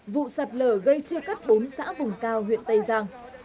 vụ sạt lở gây chia cắt bốn xã vùng cao huyện tây giang